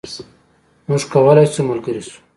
موږ کولای شو ملګري شو.